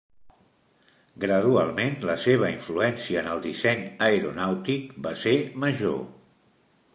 Gradualment, la seva influència en el disseny aeronàutic va ser major.